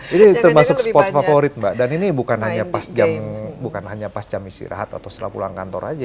ini termasuk spot favorit mbak dan ini bukan hanya pas jam istirahat atau setelah pulang kantor aja